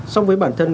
song với bản thân